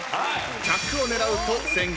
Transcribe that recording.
１００を狙うと宣言。